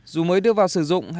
dù mới đưa vào sử dụng